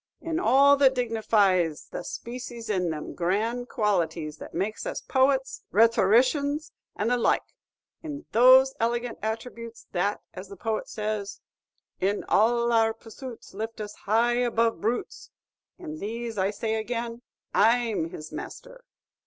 In all that dignifies the spacies in them grand qualities that makes us poets, rhetoricians, and the like, in those elegant attributes that, as the poet says, "In all our pursuits Lifts us high above brutes,'" in these, I say again, I 'm his master!'"